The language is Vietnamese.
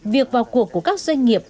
việc vào cuộc của các doanh nghiệp